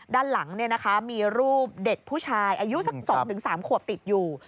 ด้านหลังมีรูปเด็กผู้ชายอายุสัก๒๓ขวบติดอยู่